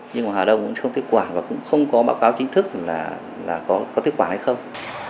nhưng mà hà đông cũng không tiếp quản và cũng không có báo cáo chính thức là có tiếp quản hay không